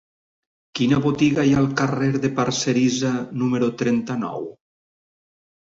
Quina botiga hi ha al carrer de Parcerisa número trenta-nou?